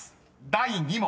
第２問］